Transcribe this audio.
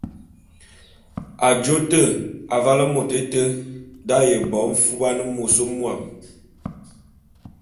Ajô te, avale môt éte d’aye bo mfuban môs mwuam.